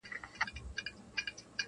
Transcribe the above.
• غرونه او فضا ورته د خپل درد برخه ښکاري..